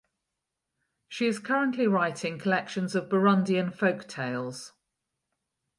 She is currently writing collections of Burundian folk tales.